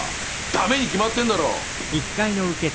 ダメに決まってんだろ！